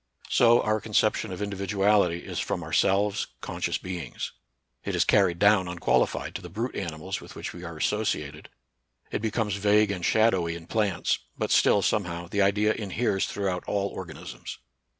So, our conception of indi viduality is from ourselves, conscious beings: it is carried down unqualified to the brute animals with which we are associated; it be comes vague and shadowy in plants, but still, somehow, the idea inheres throughout all organ isms.